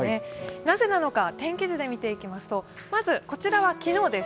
なぜなのか、天気図で見ていきますと、まずこちらは昨日です。